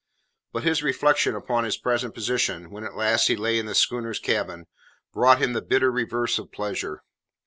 But his reflection upon his present position, when at last he lay in the schooner's cabin, brought him the bitter reverse of pleasure.